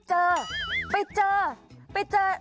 ถ้าไปเจอ